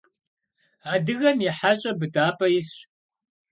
Адыгэм и хьэщӀэ быдапӀэ исщ.